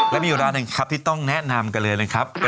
และมีอยู่ร้านหนึ่งครับที่ต้องแนะนำกันเลยนะครับ